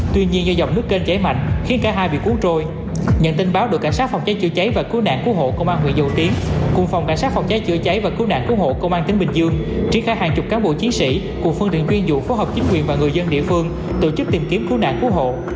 tuy nhiên do dòng nước kênh cháy mạnh khiến cả hai bị cuốn trôi nhận tin báo đội cảnh sát phòng cháy chữa cháy và cứu nạn cứu hộ công an huyện dầu tiến cùng phòng cảnh sát phòng cháy chữa cháy và cứu nạn cứu hộ công an tỉnh bình dương triển khai hàng chục cán bộ chiến sĩ cùng phương tiện chuyên dụng phối hợp chính quyền và người dân địa phương tổ chức tìm kiếm cứu nạn cứu hộ